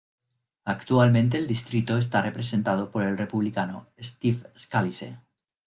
Actualmente el distrito está representado por el Republicano Steve Scalise.